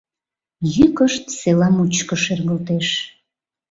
Йӱкышт села мучко шергылтеш.